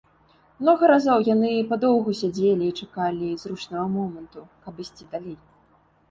Многа разоў яны падоўгу сядзелі і чакалі зручнага моманту, каб ісці далей.